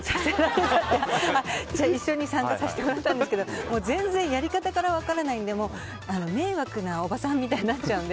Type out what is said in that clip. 一緒に参加させてもらったんですけどやり方から分からないので迷惑なおばさんみたいになっちゃうので。